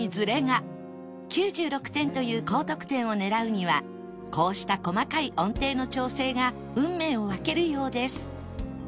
９６点という高得点を狙うにはこうした細かい音程の調整が運命を分けるようです